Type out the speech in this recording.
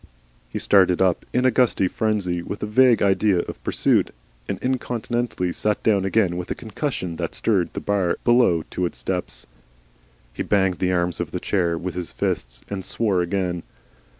He started up in a gusty frenzy with a vague idea of pursuit, and incontinently sat down again with a concussion that stirred the bar below to its depths. He banged the arms of the chair with his fist, and swore again.